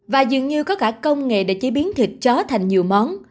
và dường như có cả công nghệ để chế biến thịt chó thành nhiều món